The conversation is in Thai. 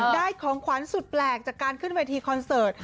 ของขวัญสุดแปลกจากการขึ้นเวทีคอนเสิร์ต